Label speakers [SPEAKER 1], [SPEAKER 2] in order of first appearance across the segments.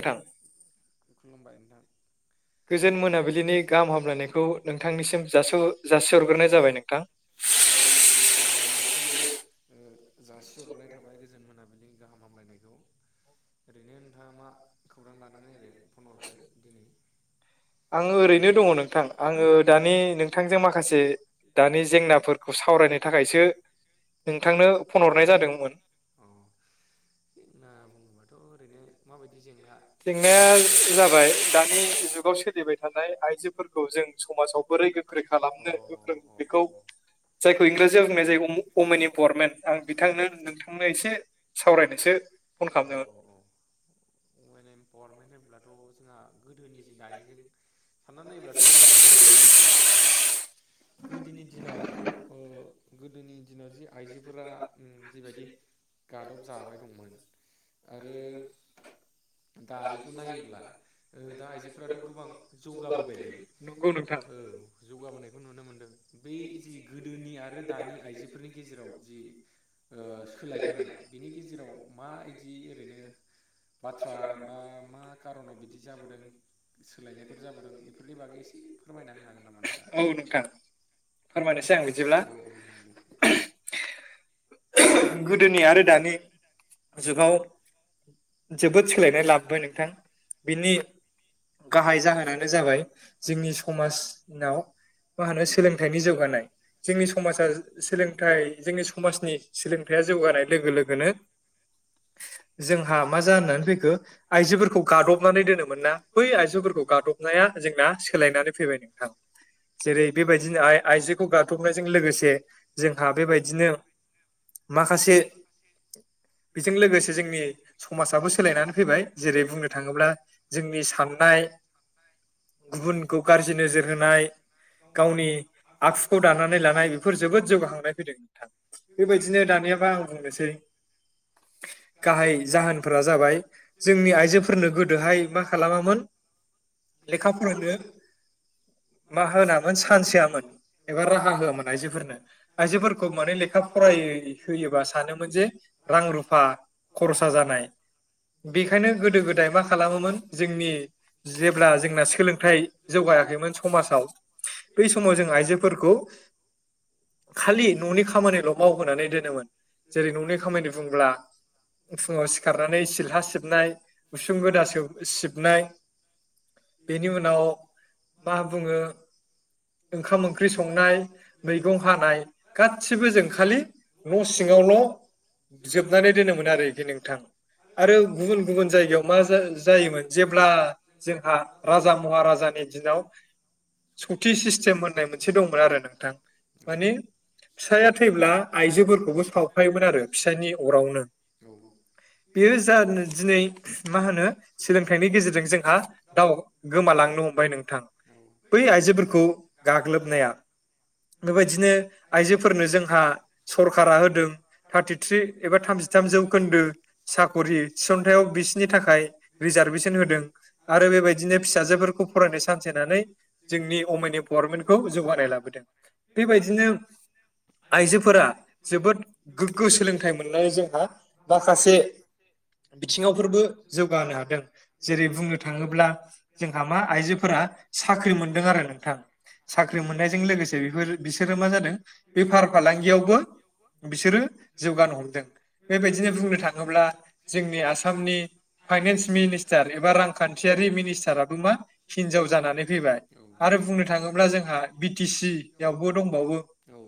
[SPEAKER 1] थां
[SPEAKER 2] खुलुमबाय नोंथां
[SPEAKER 1] गोजोन मोनाबिलिनि गाहाम हामलायनायखौ नोंथांनिसिम जासिहरग्रोनाय जाबाय नोंथां
[SPEAKER 2] आरो नोंनिसिमबो जासिहरनाय थाबाय गोजोन मोनाब गाहाम हामलायनायखौ ओरैनो नोंथाङा मा खौरां लांनानै फनहरखो दिनै
[SPEAKER 1] आङ ओरैनो दङ नोंथां आङो दानि नोंथांजों माखासे दानि जेंनाफोरखौ सावरायनो थाखायसो नोंथांनो फन हरनाय जादोंमोन
[SPEAKER 2] जेंना बुङोबाथ ओरैनो माबायदि जेंना ज
[SPEAKER 1] जेंनाया जाबाय दानि जुगाव सोलिबाय थानाय आइजोफोरखौ जों समाजाव बोरै गोख्रै
[SPEAKER 2] अ
[SPEAKER 1] खालामो
[SPEAKER 2] अ
[SPEAKER 1] बेखौ
[SPEAKER 2] अ
[SPEAKER 1] जायखौ इंराजियाव बुंनाय जायो अमेन इम्पावारमेन्ट आं बिथांनो नोंथांनो एसे सावरायनोसो फन
[SPEAKER 2] औ
[SPEAKER 1] खालामदोंमोन
[SPEAKER 2] औ औ वमेन एम्पावारमेन्ट होनोब्लाथ जोंहा गोदोनिजों दानिजों साननानै नायोब्लाथ गोबां सोलायबायलाय नोंथांं गोदोनि दिनाव गोदोनि दिनाव जि आइजोफोरा जिबायदि गादब जाबाय दंमोन आरो दानिखौ नायोब्ला ओ दा आइजोफोराथ गोबां जौगाबोबायलै
[SPEAKER 1] नंगौ नोंथा
[SPEAKER 2] औ जौगाबोनायखौ नुनो मोनदों
[SPEAKER 1] [inaudible]
[SPEAKER 2] बै जि गोदोनि आरो दानि आइजोफोरनि गेजेराव जि ओ सोलायबोनाय बिनि गेजेराव माबायदि ओरैनो बाथ्रा बा मा कारनाव बिदि जाबोदों सोलायनायफोर जाबोदों इफोरनि बागै एसे फोरमायना होनो हागोन नामा नोंथां
[SPEAKER 1] औ नोंथां फोरमायनोसै आं बिदिब्ला
[SPEAKER 2] औ जागोन दे
[SPEAKER 1] गोदोनि आरो दानि जुगाव जोबोद सोलायनाय लाबोबाय नोंथां बिनि गाहाय जाहोनानो जाबाय जोंनि समाजनाव मा होनो सोलोंथाइनि जौगानाय जोंनि समाजा सोलोंथाइ जोंनि समाजनि सोलोंथया जौगानाय लोगो लोगोनो जोंहा मा जानानै फैखो आइजोफोरखौ गादबनानै दोनोमोन ना बै आइजोफोरखौ गादब हाबनाया जोंना सोलायनानै फैबाय नोंथां जेरै बेबायदिनो आ आइजोखौ गादबनायजों लोगोसे जोंहा बेबायदिनो माखासे बेजों लोगोसे जोंनि समाजाबो सोलायनानै फैबाय जेरै बुंनो थाङोब्ला जोंनि साननाय गुबुनखौ गाज्रि नोजोर होनाय गावनि आखुखौ दानानै लानाय बेफोर जोबोद जौगाखांनाय फैदों नोंथां बेबायदिनो दानियाबा आं बुंनोसै गाहाय जाहोनफोरा जाबाय जोंनि आइजोफोरनो गोदोहाय मा खालामामोन लेखा फरायनो मा होनामोन चान्स होआमोन एबा राहा होआमोन आइजोफोरनो आइजोफोरखौ माने लेखा फराय होयोबा सानोमोन जे रां रुफा खरसा जानाय बेखायनो गोदो गोदाय मा खालामोमोन जोंनि जेब्ला जोंना सोलोंथाइ जौगायाखैमोन समाजाव बै समाव जों आइजोफोरखौ खालि ननि खामानिल मावहोनानै दोनोमोन जेरै ननि खामानि बुंब्ला फुङाव सिखारनानै सिलहा सिबनाय उसुं गोदासो सिबनाय बेनि उनाव मा बुङो ओंखाम ओंख्रि संनाय मैगं हानाय गासिबो जों खालि न' सिङावल' जोबनानै दोनोमोन आरोखि नोंथां आरो गुबुन गुबुन जायगायाव मा जायोमोन जेब्ला जोंहा राजा महाराजानि दिनाव सथि सिस्टेम होननाय मोनसे दंमोन आरो नोंथां मानि फिसाइया थैब्ला आइजोफोरखौबो सावफायोमोन आरो फिसानि अरावनो
[SPEAKER 2] औ
[SPEAKER 1] बेनि जाहोनैनो दिनै मा होनो सोलोंथाइनि गेजेरजों जोंहा दाव गोमालांनो हमबाय नोंथां
[SPEAKER 2] औ
[SPEAKER 1] बै आइजोफोरखौ गाग्लोबनाया बेफोरबादिनो आइजोफोरनो जोंहा सरखारा होदों थार्टिथ्रि एबा थामजिथाम जौखोन्दो साक'रि थिसनथायाव बिसिनि थाखाय रिजारभेसन होदों आरो बेबायदिनो फिसाजोफोरखौ फरायनो सान्स होनानै जोंनि अमेन एम्पावारमेन्टखौ जौगानाय लाबोदों बेबायदिनो आइजोफोरा जोबोद गोग्गो सोलोंथाइ मोननाय जोंहा माखासे बिथिङावफोरबो जौगानो हादों जेरै बुंनो थाङोब्ला जोंहा मा आइजोफोरा साख्रि मोनदों आरो नोंथां साख्रि मोननायजों लोगोसे बेफोर बिसोरो मा जादों बेफार फालांगियावबो बिसोरो जौगानो हमदों बेबायदिनो बुंनो थाङोब्ला जोंनि आसामनि फाइनान्स मिनिस्टार एबा रांखान्थियारि मिनिस्टाराबो मा हिनजाव जानानै फैबाय
[SPEAKER 2] औ
[SPEAKER 1] आरो बुंनो थाङोब्ला जोंहा बि टि सि आवबो दंबावो
[SPEAKER 2] औ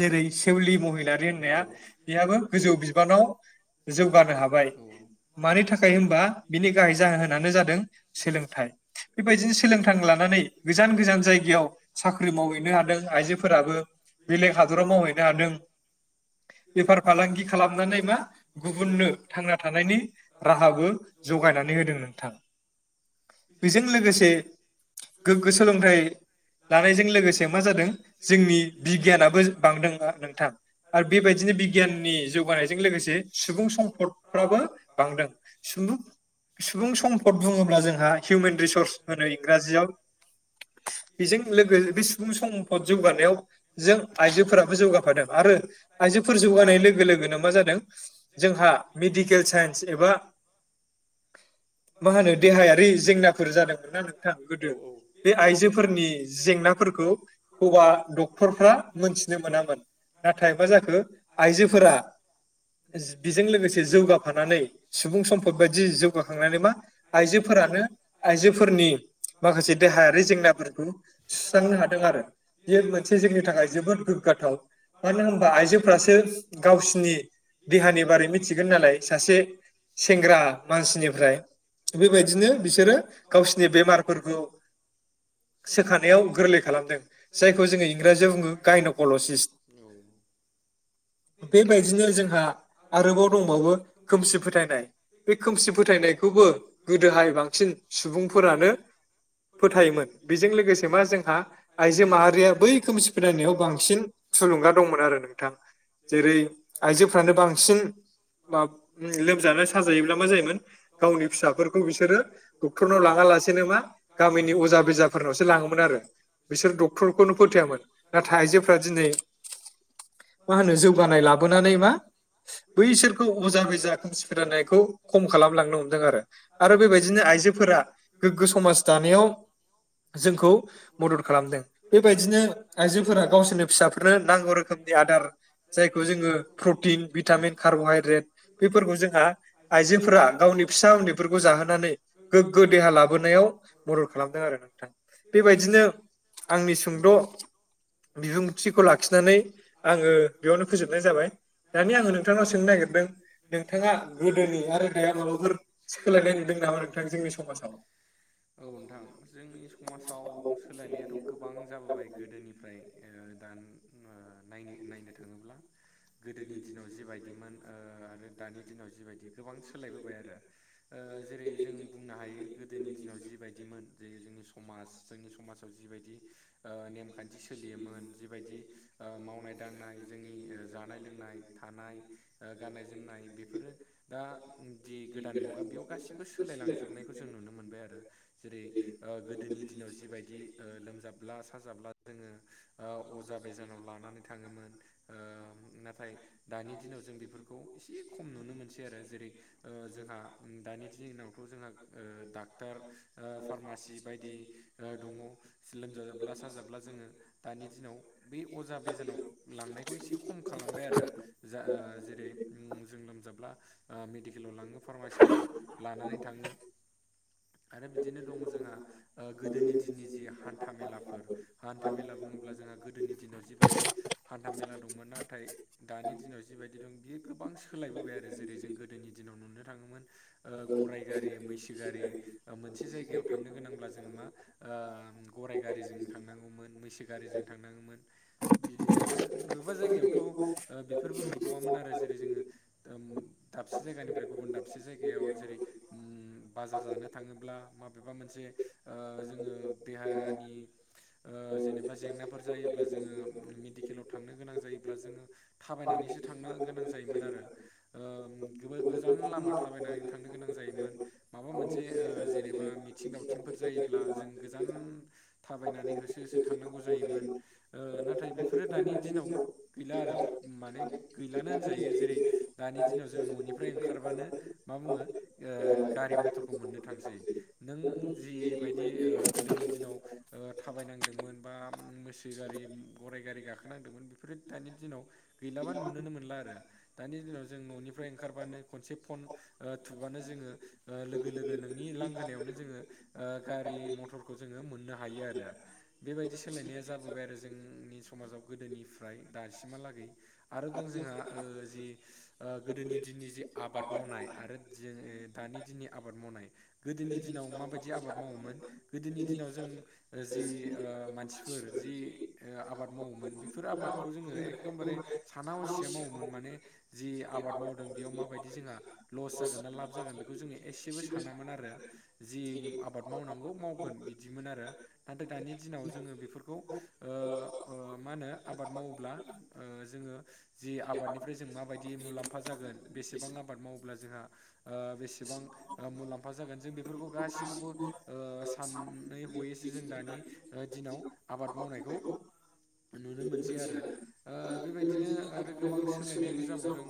[SPEAKER 1] जेरै सेउलि महिलारि
[SPEAKER 2] औ औ
[SPEAKER 1] होननाया
[SPEAKER 2] औ
[SPEAKER 1] बेहाबो गोजौ बिबानाव जौगानो हाबाय
[SPEAKER 2] मा
[SPEAKER 1] मानि थाखाय होनबा बिनि गाहाय जाहोनानो जादों सोलोंथाइ बेबायदिनो सोलोंथाइ लानानै गोजान गोजान जायगायाव साख्रि माव आइजोफोराबो बेलेग हादराव मावहै [inaudible] बेफार फालांगि खालामनानै मा गुबुननो थांना थानायनि राहाबो जगायनानै होदों नोंथां बेजों लोगोसे गोग्गो सोलोंथाइ लानायजों लोगोसे मा जादों जोंनि बिगियानाबो बांदों नोंथां आरो बेबायदिनो बिगियाननि जौगानायजों लोगोसे सुबुं सम्पदफ्राबो बांदों सुबुं सम्पद बुङोब्ला जोंहा हिउमेन रिसर्स होनो इंराजियाव बेजों बे सुबुं सम्पद जौगानायाव जों आइजो जौगानाय लोगो लोगोनो मा जादों जोंहा मेडिकेल साइन्स एबा मा होनो देहायारि जेंनाफोर जादोंमोन ना नोंथां
[SPEAKER 2] औ
[SPEAKER 1] गोदो बे आइजोफोरनि जेंनाफोरखौ हौवा डक्टरफ्रा मोनथि नो मोनामोन नाथाय मा जाखो आइजोफोरा बिजों लोगोसे जौगाफानानै सुबुं सम्फद बायदि जौगाखांनानै मा आइजोफोरानो आइजोफोरनि माखासे देहायारि जेंनाफोरखौ सुस्रांनो हादों आरो बेयो मोनसे जोंनि थाखाय जोबोद गो गोग्गाथाव मानो होनबा आइजोफ्रासो गावसिनि देहानि बारै मिथिगोन नालाय सासे सेंग्रा मानसिनिफ्राय बेबायदिनो बिसोरो गावसिनि बेमारफोरखौ सोखानायाव गोरलै खालामदों जायखौ जोङो इंराजियाव बुङो गायनक पल'सिस
[SPEAKER 2] औ
[SPEAKER 1] बेबायदिनो जोंहा आरोबाव दंबावो खोमसि फोथायनाय बे खोमसि फोथायनायखौबो गोदोहाय बांसिन सुबुंफोरानो फोथायोमोन बेजों लोगोसे मा जोंहा आइजो माहारिया बै खोमसि फोथायनायाव बां बांसिन थुलुंगा दंमोन आरो नोंथां जेरै आइजोफ्रानो बांसिन मा लोमजानाय साजायोब्ला मा जायोमोन गावनि फिसाफोरखौ बिसोरो डक्टरनाव लाङा लासेनो मा गामिनि अजा बेजाफोरनावसो लाङोमोन आरो बिसोर डक्टरखौनो फोथायामोन नाथाय आइजो मा होनो जौगानाय लाबोनानै मा बैसोरखौ अजा बेजा खोमसि फोथायनायखौ खम खालामलांनो हमदों आरो आरो बेबायदिनो आयजोफोरा गोग्गो समाज दानायाव जोंखौ मदद खालामदों बेबायदिनो आइजोफोरा गावसोरनि फिसाफोरनो नांगौ रोखोमनि ज ज ज फोरा गावनि फिसा उन्दैफोरखौ जाहोनानै गोग्गो देहा लाबोनायाव बेबायदिनो आंनि सुंद' बिबुंथिखौ लाखिनानै आङो बेयावनो फोजोबनाय जाबाय दानिया आङो नोंथांनाव सोंनो नागिरदों नोंथाङा गोदोनि आरो माबाफोर सोलायनाय नुदों नामा नोंथां जोंनि समाजाव
[SPEAKER 2] औ नोंथां जोंनि समाजाव सोलायनायाथ' गोबां [unintelligible] नायनो नायनो थाङोब्ला गोदोनि दिनाव जिबायदिमोन आरो दानि दिनाव जिबायदि गोबां सोलायबोबाय आरो जेरै जों बुंनो हायो गोदोनि बायायदिमोन जे जोंनि समाज जोंनि समाजाव जिबायदि नेमखान्थि सोलियोमोन जिबायदि मावनाय दांनाय जोंनि जानाय लोंनाय थानाय गाननाय जोमनाय बेफोरो दा जि गोदान मुगा बेयाव गासिबो सोलाय लांजोबनायखौ जों नुनो मोनबाय आरो जेरै गोदोनि दिनाव जिबायदि लोमजाब्ला साजाब्ला जोङो अजा बेजानाव लानानै थाङोमोन नाथाय दानि दिनाव जों बेफोरखौ एसे खम नुनो मोनसै आरो जेरै जोंहा दानि दिनावथ' जोंहा डाक्टार बा फामरमासिद बायदि दं लोमजाब्ला साजाब्ला जोङो दा दिनाव बेै अजा बेजानाव लांनायखौ इसे खम खालामबाय आरो जेरै जों लोमजाब्ला मेडिकेलाव लाङो फार्मासिफोराव लानानै थाङो आरो बिदिनो दङ जोंहा गोदोनि दिननि जि हान्था मेलाफोर हान्था मेला बुं बुङोब्ला जोंहा गोदोनि दिनाव जिबायदि हान्था मेला दंमोन नाथाय दानि दिनाव जिबायदि दं बि गोबां सोलायबोबाय आरो जेरै जों गोदोनि दिनाव नुनो थाङोमोन गराइ गारि मैसो गारि मोनसे जायगायाव थांनो गोनांब्ला जोङो मा गराइ गारिजों थांनांगौमोन मैसो गारि जों थांनाङोमोन बिदिनो आरो अबेबा जायगायावथ' बेफोरबो गैबावामोन आरो जेरै जोङो दाबसे जायगानिफ्राय गुबुन दाबसे जायगायाव जेरै बाजार जानो थाङोब्ला माबेबा मोनसे जोङो देहानि जेनेबा जेंनाफोर जायोब्ला जोङो मेडिकेलाव थांनो गोनां जायोब्ला जोङो थाबायनानै एसे थांनो गोनां जायोमोन आरो गोजान लामा थाबायनानै थांनो गोनां जायोमोन माबा मोन मोनसे जेनेबा मिथिं दावथिंफोर जायोब्ला जों गोजान थाबायनानै होसो होसो थांनांगौ नाथाय बेफोरो दानि दिनाव गैला आरो माने गैलानो होनजा यो जेरै दानि दिनाव जों न'निफ्राय ओंखारबानो मा बुङो गारि मथर [unintelligible] थासै नों जिबायदि गोदोनि दिनाव थाबायनांदोंमोन बा मैसो गारि गराइ गारि गाखोनांदोंमोन बेफोरो दानि दिनाव गैलाबा नुुनोनो मोनला आरो दानि दिनाव जों न'निफ्राय ओंखारबानो खनसे फन थुबानो जोङो लोगो लोगोनि नोंनि लांगोनायावनो जोङो गारि मथरखौ जोङो मोननो हायो आरो बेबाय बे बायदि सोलायनाया जाबोबाय आरो जोंनि समाजाव गोदोनिफ्राय दासिमहालागै आरो दं जोंहा जि गोदोनि दिननि जि आबाद मावनाय आरो जे दानि दिननि आबाद मावनाय गोदोनि दिनाव माबायदि आबाद मावोमोन गोदोनि दिनाव जों जि मानसिफोर जि आबाद मावोमोन बेफोर आबादखौ जोङो एकदमबारे साना हसिया मावोमोन माने जि आबाद मावदों बेयाव माबायदि जोंहा लस जागोनना लाब जागोन बेखौ जोङो एसेबो सानामोन आरो जि आबाद मावनांगौ मावगोन बिदिमोन आरो नाथाय दानि दिनाव जोङो बेफोरखौ मा होनो आबाद मावोब्ला ओ जोङो जि आबादनिफ्राय जों माबायदि मुलाम्फा जागोन बेसेबां आबाद मावोब्ला जोंहा बेसेबां मुलाम्फा जागोन जों बेफोरखौ गाैखौबो सानै हयैसो जों दानि दिनाव आबाद मावनायखौ नुनो मोनसै आरो ओ बेबायदिनो आरो गोबां सोलायनायबो जाबावदों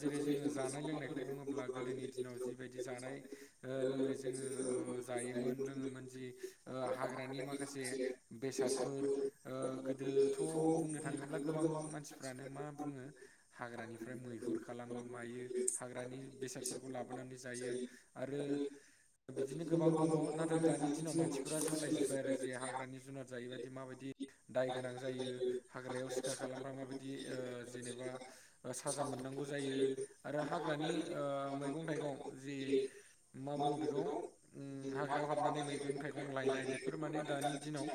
[SPEAKER 2] जेरै जोङो जानाय लोंनायखौ बुङोब्ला गोदोनि दिनाव जिबायदि जानाय ओ लोंनाय जोङो जायोमोन लोङोमोन जि ओ हाग्रानि माखासे से बेसादफोर गोदोथ' बुंनो थाङोब्ला गोबां मानसिफ्रानो मा बुङो हाग्रानिफ्राय मैहुर खालामो मायो हाग्रानि बेसादफोरखौ लाबोनानै जायो आरो बिदिनो गोबां दङ नाथाय दानि दिनाव मानसिफोरा सोलाय जोब्बाय आरो जे हाग्रानि जुनार जायोबादि माबायदि दाय गोनां जायो हाग्रायाव सिखार खालामबा माबायदि ओ जेनेबा साजा मोननांगौ ज जायो आरो हाग्रानि ओ मैगं थाइगं जि मा बुङो बेखौ उम हाग्रायाव हाबनानै मैगं थाइगं लायनाय बेफोर माने दानि दिनाव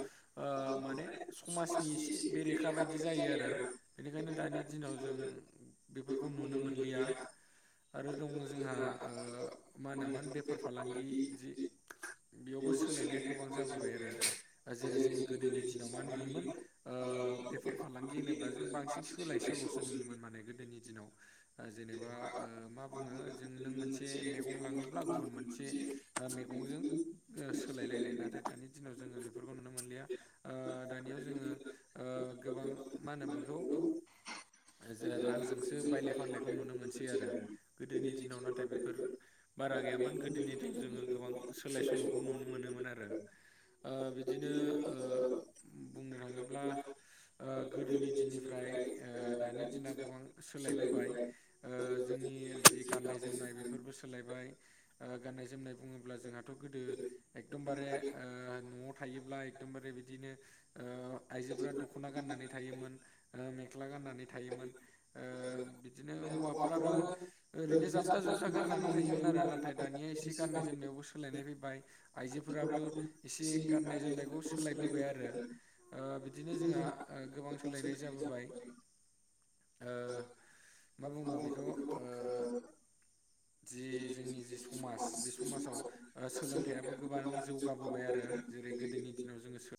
[SPEAKER 2] ओ माने समाजनि एसे बेरेखा बायदि जायो आरो बेनिखायनो दानि दिनाव जोङो बेफोरखौ नुनो मोनलिया आरो दङ जोंहा ओ मा होनोमोन बेफार फालांगि जि बेयावबो सोलायनाया गोबां जाबोबाय आरो जेरै जोङो गोदोनि दिनाव मा नुयोमोन ओ बेफार फालांगि होनोब्ला जों बांसिन सोलायस लसो नुयोमोन माने गोदोनि दिनाव जेबा ओ मा बुङो मो से मैगं लाङोब्ला गुबुन मोनसे मैगंजों सोलायलायनाय ना दानि दिनाव जोङो बेफोरखौ नुनो मोनलिया ओ दानियाव जोङो ओ गोबां मा होनना बुङो बेखौ जो रांजोंसो बायलाय फानलायखौ नुनो मोनसै आरो गोदोनि दिनाव नाथाय बे फोर बारा गैयामोन गोदोनिथ' जोङो गोबां सोलाय सोल'खौ नुनो मोनोमोन आरो ओ बिदिनो ओ बुंनो थाङोब्ला ओ गोदोनि ओ दिननिफ्राय दानि दिना गोबां सोलायबोबाय ओ जोंनि जि गाननाय जोमनाय बे बेफोरबो सोलायबाय ओ गान्नाय जोमनाय बुङोब्ला जोंहाथ' गोदो एकदमबारे ओ न'आव थायोब्ला एकदमबारे बिदिनो ओ आइजोफोरा दख'ना गाननानै थायोमोन ओ मेख्ला गानानै थायोमोन ओ बिदिनो हवाफोराबो ओैरैनो जाबबा जुब बा गाननानै थायोमोन आरो नाथाय दानिया एसे गाननाय जोमनायावबो सोलायनाय फैबाय आइजो फोराबो एसे गाननाय जोमनायखौ सोलायबोबाय आरो ओ बिदिनो जोंहा ओ गोबां सोलायनाय जाबोबाय ओ मा बुङो बेखौ ओ जि जोंनि जि समाज बे समाजाव ओ सोलोंथाइयाबो गोबां जौगाबोबाय आरो जेरै गोदोनि दिनाव जोङो सोर